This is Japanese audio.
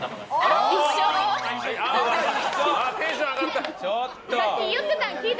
あっテンション上がった！